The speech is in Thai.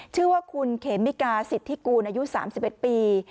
ชื่อว่าคุณเขมิกาสิทธิกูลอายุ๓๑ปี